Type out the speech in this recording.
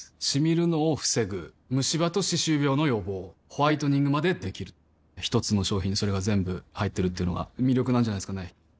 シミるのを防ぐムシ歯と歯周病の予防ホワイトニングまで出来る一つの商品にそれが全部入ってるっていうのが魅力なんじゃないですかね